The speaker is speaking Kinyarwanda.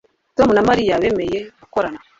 Tom na Mariya bemeye gukorana